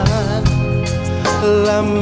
ยังเพราะความสำคัญ